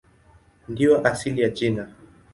Ndiyo asili ya jina.